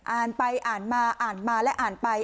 อ่านไปอ่านมาอ่านมาและอ่านไป